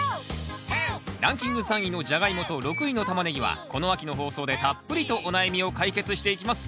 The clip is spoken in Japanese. ランキング３位のジャガイモと６位のタマネギはこの秋の放送でたっぷりとお悩みを解決していきます。